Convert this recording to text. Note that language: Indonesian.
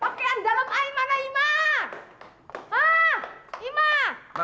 pakaian dalam ai mana imah